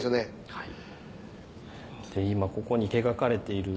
はい。